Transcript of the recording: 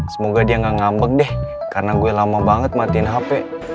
semoga dia gak ngambek deh karena gue lama banget matiin hp